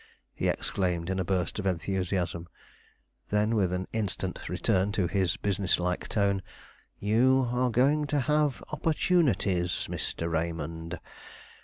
he exclaimed in a burst of enthusiasm. Then, with an instant return to his business like tone: "You are going to have opportunities, Mr. Raymond.